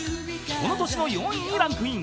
［この年の４位にランクイン］